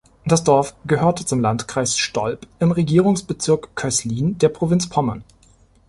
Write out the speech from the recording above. Das Dorf gehörte zum Landkreis Stolp im Regierungsbezirk Köslin der Provinz Pommern.